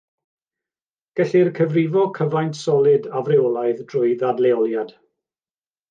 Gellir cyfrifo cyfaint solid afreolaidd drwy ddadleoliad.